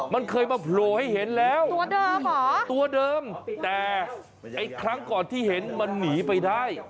มันเคยมาโผล่ให้เห็นแล้วตัวเดิมเหรอตัวเดิมแต่ไอ้ครั้งก่อนที่เห็นมันหนีไปได้